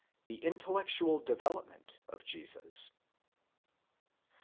THE INTELLECTUAL DEVELOPMENT OF JESUS.